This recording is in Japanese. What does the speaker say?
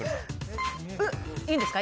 いいんですか？